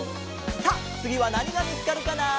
さあつぎはなにがみつかるかな？